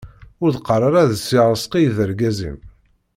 Ur d-qqar ara d si Rezqi i d argaz-im.